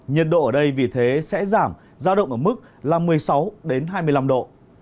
nhiệt độ ở đây vì thế sẽ giảm giao động ở mức là một mươi sáu hai mươi năm độ